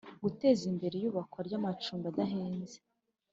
guteza imbere iyubakwa ry'amacumbi adahenze